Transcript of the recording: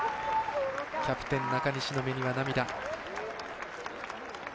キャプテン中西の目には涙。